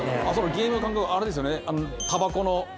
ゲーム感覚あれですよね。